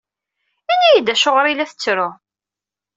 Ini-iyi-d acuɣer i la tettru.